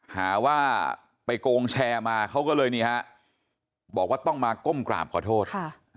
หาว่าไปโกงแชร์มาเขาก็เลยนี่ฮะบอกว่าต้องมาก้มกราบขอโทษ